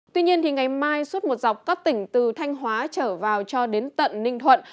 tuy nhiên ngày mai suốt một dọc các tỉnh từ thanh hóa trở vào cho đến tận ninh thuận